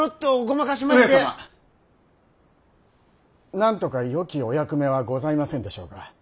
なんとかよきお役目はございませんでしょうか。